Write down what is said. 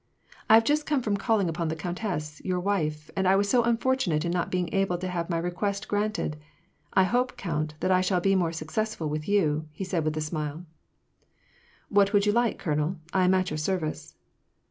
" I have just come from calling upon the countess, your wife, and I was so unfortimate in not being able to have my request granted ! I hope, count, that I shall be more successful with you," said he, with a smile. " What would you like, colonel ? I am at your service."